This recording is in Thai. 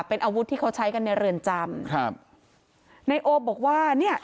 เป็นอาวุธที่เขาใช้กันในเรือนจำครับนายโอบอกว่าเนี้ย